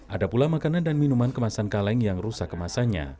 ada pula makanan dan minuman kemasan kaleng yang rusak kemasannya